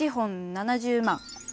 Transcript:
７０万。